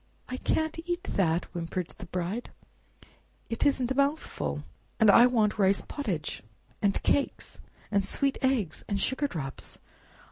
"I can't eat that!" whimpered the Bride; "it isn't a mouthful; and I want rice pottage, and cakes, and sweet eggs, and sugar drops.